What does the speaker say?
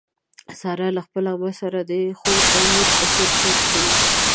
ساره له خپلې عمه سره د خور او لور په څېر ژوند کوي.